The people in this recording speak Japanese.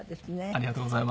ありがとうございます。